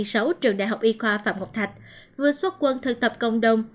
trong trường đại học y khoa phạm ngọc thạch vừa xuất quân thực tập công đồng